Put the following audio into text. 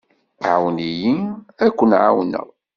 Ԑawen-iyi ad ken-εawneɣ.